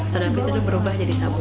soda api sudah berubah jadi sabun